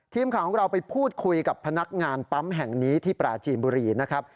ทีมข่าวของเราไปพูดคุยกับพนักงานปั๊มแห่งนี้ที่ปราจีนบุรีนะครับ